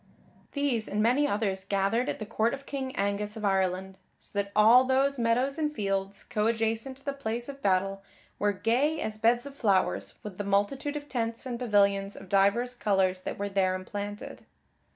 These and many others gathered at the court of King Angus of Ireland, so that all those meadows and fields coadjacent to the place of battle were gay as beds of flowers with the multitude of tents and pavilions of divers colors that were there emplanted.